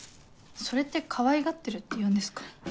それってかわいがってるって言うんですか？